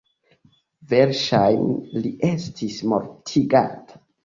Verŝajne li estis mortigata.